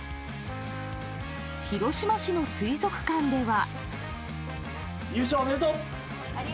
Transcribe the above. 広島市の水族館では。